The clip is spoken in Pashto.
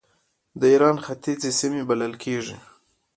د ایران ختیځې سیمې بلل کېدله.